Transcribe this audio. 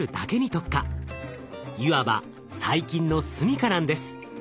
いわば細菌の住みかなんです。